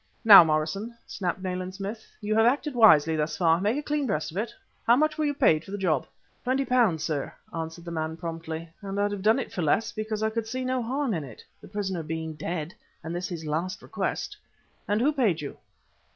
"Now, Morrison," snapped Nayland Smith, "you have acted wisely thus far. Make a clean breast of it. How much were you paid for the job?" "Twenty pounds, sir" answered the man promptly, "and I'd have done it for less, because I could see no harm in it, the prisoner being dead, and this his last request." "And who paid you?"